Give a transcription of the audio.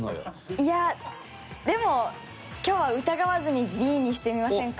いやでも今日は疑わずにＢにしてみませんか？